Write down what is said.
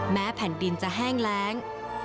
แผ่นดินจะแห้งแรง